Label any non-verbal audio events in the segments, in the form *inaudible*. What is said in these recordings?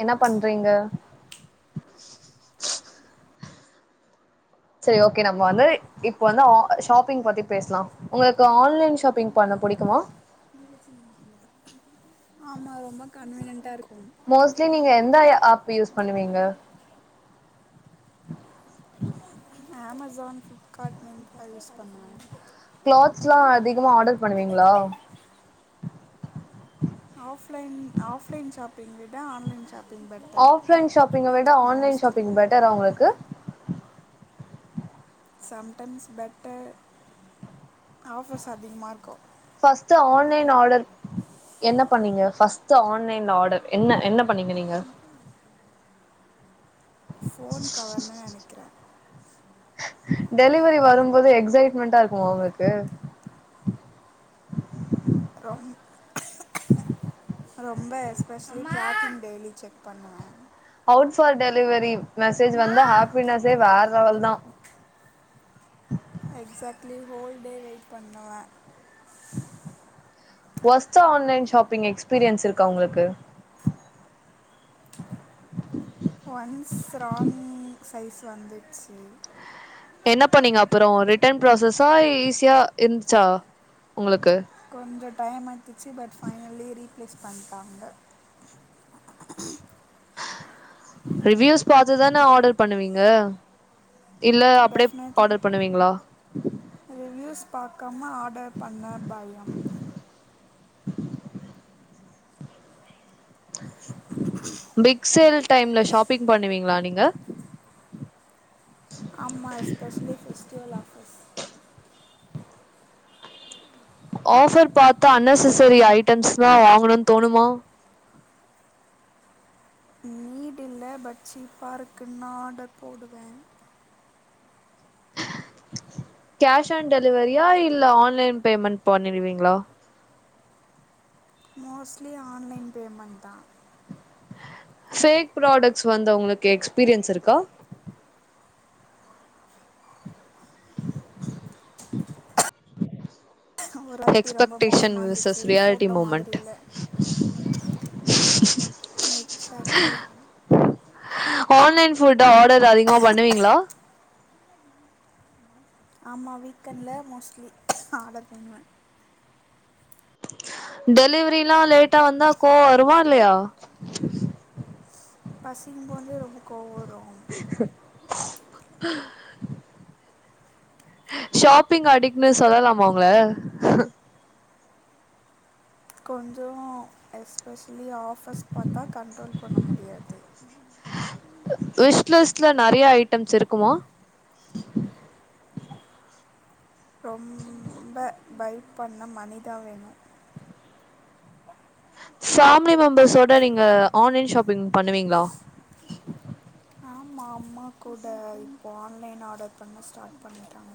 என்ன பண்றீங்க சேரி ஓகே நம்ம வந்து இப்ப வந்து ஆ ஷாப்பிங் பத்தி பேஸ்லா உங்களுக்கு ஆன்லைன் ஷாப்பிங் பண்ண புடிக்குமா *inaudible* ஆமா ரொம்ப கன்வீனியன்ட்டா இருக்கு மோஸ்ட்லி நீங்க எந்த யா ஆப் யூஸ் பண்ணுவீங்க அமேஸான் ஃப்ளிப்கார்ட் மிந்த்ரா யூஸ் பண்ணுவே கிளாத்ஸ்லா அதிகமா ஆடர் பண்ணுவீங்ளா ஆஃப்லைன் ஆஃப்லைன் ஷாப்பிங் விட ஆன்லைன் ஷாப் ஆஃப்லைன் ஷாப்பிங்க விட ஆன்லைன் மோஸ்ட்லி ஷாப்பிங் பெட்டரா உங்களுக்கு சம்டைம்ஸ் பெட்டர் ஆஃபர்ஸ் அதிகமாருக்கு ஃபஸ்ட்டு ஆன்லைன் ஆடர் என்ன பண்ணீங்க ஃபஸ்ட்டு ஆன்லைன்ல ஆடர் என என பண்ணீங்க நீங்க ஃபோன் கவர்னு நெனைக்குற டெலிவரி வரும் போது எக்சைட்மென்ட்டா இருக்குமா உங்களுக்கு அப்றோம் ரொம்ப எஸ்பெஷ்லி ட்ராக்கிங் டெய்லி செக் பண்ணுவேம் அவுட் ஃபார் டெலிவரி மெசேஜ் வந்தா ஹாப்பினஸே வேர லெவல்தா எக்ஸாக்ட்லி ஹோல் டே வெயிட் பண்ணுவேன் ஒஸ்ட்ட ஆன்லைன் ஷாப்பிங் எக்ஸ்பீரியன்ஸ் இருக்கா உங்களுக்கு ஒன்ஸ் ராங் சைஸ் வந்துட்ச்சி என்ன பண்ணிங்க அப்புறோ ரிட்டன் ப்ராசஸா ஈஸியா இருந்துச்சா உங்களுக்கு கொஞ்சோ டைம் எட்துச்சி பட் ஃபைனலி ரீப்ளேஸ் பண்ட்டாங்க ரிவியூஸ் பாத்துதானே ஆடர் பண்ணுவீங்க இல்ல அப்டியே டெஃபனட்லி ஆர்டர் பண்ணுவீங்களா ரிவ்யூஸ் பாக்காம ஆர்டர் பண்ண பயம் பிக் சேல் டைம்ல ஷாப்பிங் பண்ணுவீங்களா நீங்க ஆமா yes specially festival offers offer பாத்து அன்நெஸ்ஸரி ஐட்டம்ஸ்லாம் வாங்கணும்னு தோணுமா நீடு இல்ல பட் சீப்பாருக்குன்னா ஆர்டர் போடுவேன் கேஷ் ஆன் டெலிவரியா இல்ல ஆன்லைன் பேமெண்ட் பண்ணிடுவீங்களா மோஸ்ட்லி ஆன்லைன் பேமெண்ட் தான் ஃபேக் ப்ராடக்ட்ஸ் வந்த உங்களுக்கு எக்ஸ்பீரியன்ஸ் இருக்கா ஒரு குவாலிட்டி ரொம்ப எக்ஸ்பெக்டேஷன் மோசமாக விசஸ் இருந்துச்சு ரியாலிட்டி ஃபோட்டோ மாதிரி மூமென்ட் இல்லை எக்ஸாக்ட்லி ஆன்லைன் ஃபுட் ஆர்டர் அதிகமா பண்ணுவீங்களா ஆமா வீக்கெண்டில மோஸ்ட்லி ஆர்டர் பண்ணுவேன் டெலிவரிலாம் லேட்டா வந்தால கோவம் வருமா இல்லையா பஸ்ஸிங் போது ரொம்ப கோவ வரும் ஷாப்பிங் அடிட்னு சொல்லலாமா உங்கள கொஞ்சோ எஸ்பெஷலி ஆஃபர்ஸ் பாத்தா கண்ட்ரோல் பண்ண முடியாது விஷ்லிஸ்ட்லா நறைய ஐட்டம்ஸ் இருக்கும ரொம்ப பை பண்ண மணி தா வேணும் ஃபேமிலி மெம்பர்ஸ்ஸோட நீங்க ஆன்லைன் ஷாப்பிங் பண்ணுவீங்களா ஆமா அம்மா கூட இப்போ ஆன்லைன் ஆர்டர் பண்ண ஸ்டார்ட் பண்ணிட்டாங்க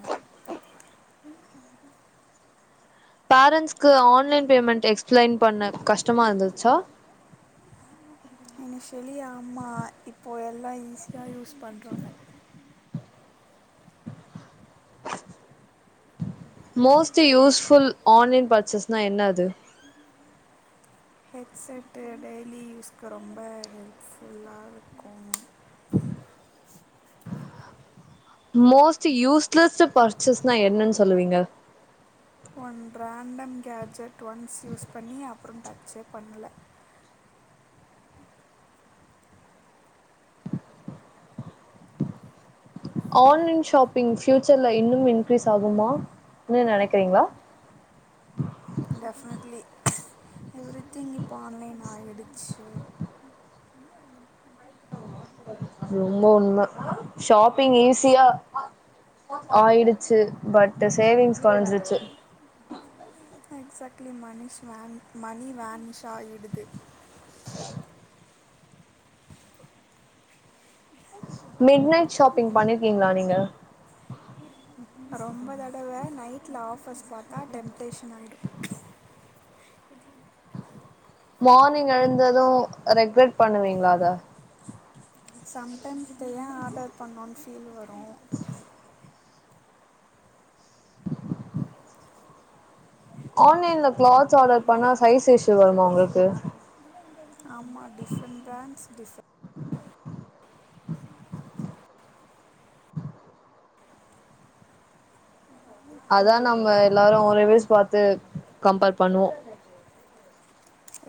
பேரன்ண்ட்ஸ்க்கு ஆன்லைன் பேமெண்ட் எக்ஸ்பிளைன் பண்ண கஷ்டமா இருந்துச்சா இனிஷியலி ஆமா இப்போ எல்லாம் ஈஸியா யூஸ் பண்ணுறாங்க மோஸ்டு யூஸ்ஃபுல் ஆன்லைன் பர்ச்சஸ்னா எண்ணாது ஹெடட்செட்டு டெய்லி யூஸ்க்கு ரொம்ப ஹெல்ப்ஃபுல்லா இருக்கும் மோஸ்ட் யூஸ்லெஸ் பர்சஸ்னா என்னன்னு சொல்லுவீங்க one random gadget once use பண்ணி அப்புறம் டச்சே பண்ணல ஆன்லைன் ஷாப்பிங் ஃப்யூச்சர்ல இன்னும் இன்க்ரீஸ் ஆகுமா னு நினைக்கிறீங்களா டெஃபினெட்லி எவ்ரி திங் இப்போ ஆன்லைன் ஆகிடுச்ச ரொம்ப உண்ம ஷாப்பிங் ஈஸியா ஆயிடுச்சு பட் சேவிங்ஸ் கோறஞ்சிருச்சு எக்ஸாக்ட்லி மணி ஷெவேன் மணி வேன்னிஷ் ஆகிடுது மிட் நைட் ஷாப்பிங் பண்ணிருகீங்ளா நீங்க ஆமா ரொம்ப தடவ நைட்ல ஆஃபர்ஸ் பாத்தா டெம்ப்டேஷன் ஆய்டு மார்னிங் எழுந்தது ரெக்ரட் பண்ணுவீங்ளா அத சம்டைம் இத ஏன் ஆர்டர் பண்ணோன் ஃபீல் வரு ஆன்லேன்ல கிளாத்ஸ் ஆர்டர் பண்ணா சைஸ் இஷு வருமா உங்ளுக்கு ஆமா டிஃப்ரெண் டைம்ஸ் டிஃப் அதா நம்ம எல்லாரு ரிவியூஸ் பாத்து கம்பேர் பண்ணுவோ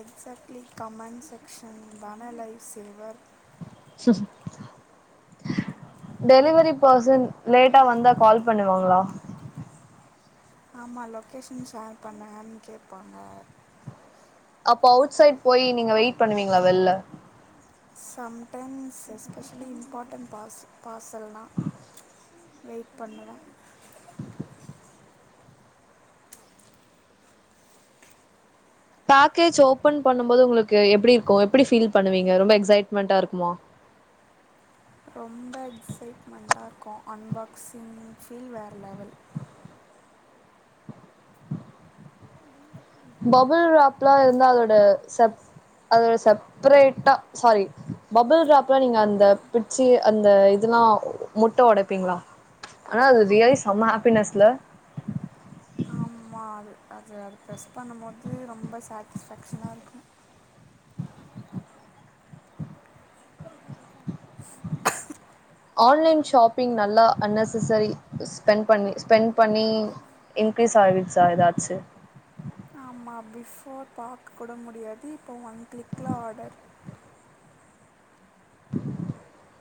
எக்ஸாக்ட்லி கமெண் செக்ஷன் வன லைவ் சேவர் டெலிவரி பர்சன் லேட்டா வந்தா கால் பண்ணுவாங்ளா ஆமா லொக்கேஷன் ஷேர் பண்ணுகன் கேப்பாங்க அப்போ அவுட் சைட் போயி நீங்க வெயிட் பண்ணுவீங்ளா வெள்ல சம்டைம்ஸ் எஸ்பெஷலி இம்பாட்டன் பாஸ் பார்சல்னா வெய்ட் பண்ணுவ பேக்கேஜ் ஓபன் பண்ணும்போது உங்ளுக்கு எப்டி இருக்கு எப்புடி ஃபீல் பண்ணுவீங்க ரொம்ப எக்ஸைட்மென்ட்டா இருக்குமா ரொம்ப எக்ஸைட்மெண்ட்டா இருக்கு அன்பாக்ஸிங் ஃபீல் வேற லெவல் பபுள் ராப்லா இருந்தா அதோட செப் அதோட செப்ரேட்டா சாரி பபுள் ராப்ல நீங்க அந்த பிச்சு அந்த இதுலா முட்ட ஒடப்பீங்ளா ஆனா அது ரியாலி செம்ம ஹேப்பினஸ்ல ஆமா அது அது அது ப்ரெஸ் பண்ணுமோது ரொம்ப சாட்ஸ்ஃபேஷனா இருக்கு ஆன்லேன் ஷாப்பிங் நல்லா அன்னெசசரி ஸ்பென் பண்ணி ஸ்பெண் பண்ணி இன்கிரிஸாய்ரிச்சா எதாச்சு ஆமா பிஃபோர் பாக்க கூட முடியாது இப்போ ஒன் கிள்க்ல ஆடர் *inaudible*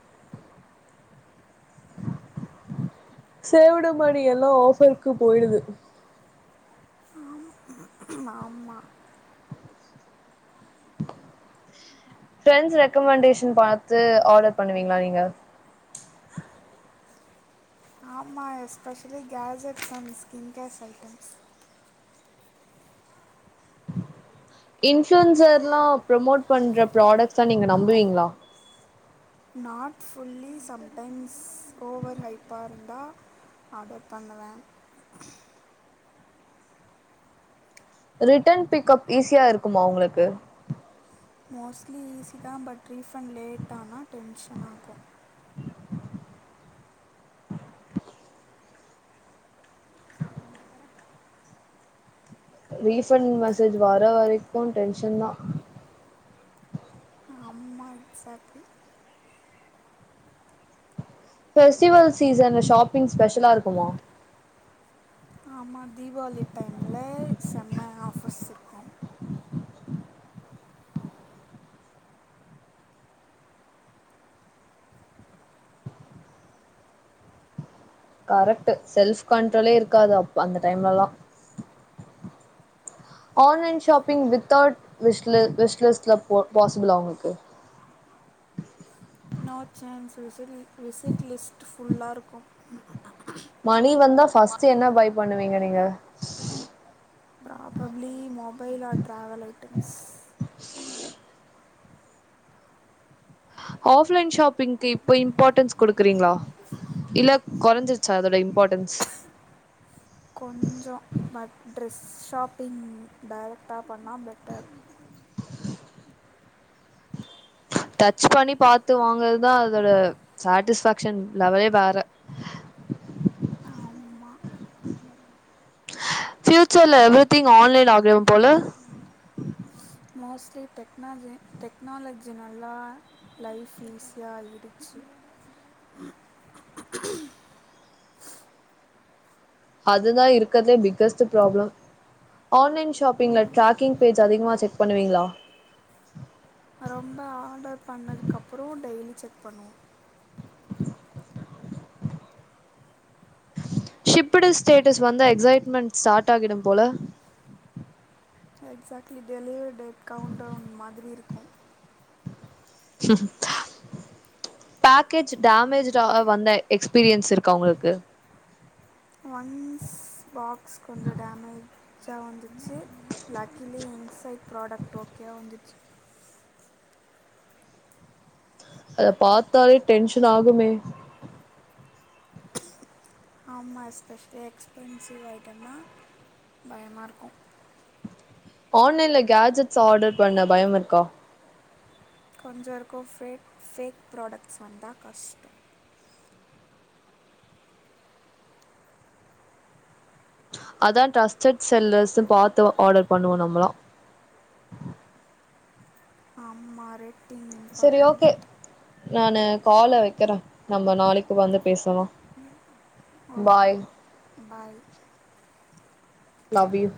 சேவுடு மணி எல்லா ஆஃபருக்கு போய்டுது ஆமா ஃபிரெண்ஸ் ரெக்கமெண்டேஷன் பாத்து ஆடர் பண்ணுவீங்ளா நீங்க ஆமா especially gadgets and skin cares items இன்ஃப்ளுன்செர்லா ப்ரோமோட் பண்ற பிராடக்ஸ்ஸ நீங்க நம்புறீங்ளா நாட் ஃபுல்லி சம்டைம்ஸ் ஓவர் ஹைப்பா இருந்தா ஆடர் பண்ணுவ ரிட்டன் பிக்கப் ஈஸியா இருக்குமா உங்ளுக்கு மோஸ்ட்லி ஈஸிதா பட் ரீஃபண் லேட்டானா டென்ஷனாக்கு ரீஃபன் மெசேஜ் வர வரைக்கு டென்ஷன்தா ஆமா எக்ஸாட்லி ஃபெஸ்டிவல் சீசன்ல ஷாப்பிங் ஸ்பெஷலா இருக்குமா ஆமா தீபாவளி டைம்ல செம்ம ஆஃபர்ஸ் இருக்கு கரக்ட்டு செல்ஃப் கண்ட்ரோலே இருக்காது அப்ப அந்த டைம்லலா ஆன்லைன் ஷாப்பிங் வித்தவுட் விஷ்ல விஷ்லெஸ்ல போ பாசிபுளா உங்ளுக்கு நோ சான்ஸ் விசிட்லி விசிட் லிஸ்ட்டு ஃபுல்லா இருக்கு மணி வந்தா ஃபஸ்ட்டு என்ன பை பண்ணுவீங்க நீங்க fully mobile or travel items offline ஷாப்பிங்க்கு இப்ப இம்பாட்டன்ஸ் குடுக்குறீங்ளா இல்ல கொறஞ்சிருச்சா அதோட இம்பாட்டன்ஸ் கொஞ்சோ பட் ட்ரெஸ் ஷாப்பிங் டேரெக்ட்டா பண்ணா பெட்டர் டச் பண்ணி பாத்து வாங்கறதுதா அதோட சாட்டிஸ்பேக்ஷன் லெவலே வேற ஆமாம் ஃபியூச்சர்ல எவ்ரி திங் ஆன்லைன் ஆயிரும் போல மோஸ்ட்லி டெக்னாஜி டெக்னாலஜினல்ல லைஃப் ஈஸியா ஆயிடுச்சு அதுதா இருக்கறதுலே பிக்கஸ்ட் ப்ராப்ளம் ஆன்லைன் ஷாப்பிங்க்ல ட்ராக்கிங் பேஜ் அதிகமா செக் பண்ணுவீங்களா ரொம்ப ஆடர் பண்ணதுக்கப்றோ டெய்லி செக் பண்ணுவோ ஷிப்பிடு ஸ்டேட்டஸ் வந்தா எக்ஸைட்மெண்ட் ஸ்டார்ட் ஆகிடும் போல எக்ஸாக்ட்லி டெலிவர் டேட் கவுண்டவுன் மாதிரி இருக்கோ *unintelligible* பேக்கேஜ் டேமேஜ்டா ஆ வந்த எக்ஸ்பீரியன்ஸ் இருக்கா உங்களுக்கு ஒன்ஸ் பாக்ஸ் கொஞ்சோ டேமேஜ் ஜா வந்துச்சு லக்கிலி இன்சைட் ப்ராடக்ட் ஓகேவா வந்துச்சு அத பாத்தாலே டென்ஷன் ஆகுமே ஆமா எஸ்பெஷலி எக்ஸ்பென்சிவ் ஐட்டம்னா பயமா இருக்கு ஆன்லைன்ல கேஜெட்ஸ் ஆடர் பண்ண பயம் இருக்கா கொஞ்சோ இருக்கோ ஃபேக் ஃபேக் ப்ராடெக்ட்ஸ் வந்தா கஷ்ட்டோ அதா ட்ரஸ்ட்செட் செல்லர்ஸூ பாத்து ஆடர் பண்ணுவோ நம்மளா ஆமா ரே செரி ஓகே நானு கால வைக்குறே நம்ம நாளைக்கு வந்து பேசலா okay bye bye love U